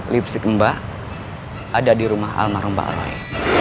lipsik mba ada di rumah almarhum ba'aloy